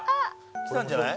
「きたんじゃない？」